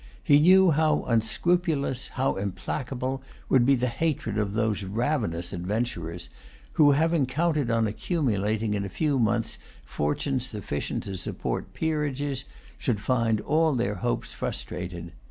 He knew how unscrupulous, how implacable, would be the hatred of those ravenous adventurers who, having counted on accumulating in a few months fortunes sufficient to support peerages, should find all their hopes frustrated.